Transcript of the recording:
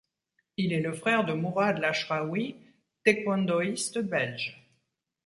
Il est le frère de Mourad Laachraoui, taekwondoïste belge.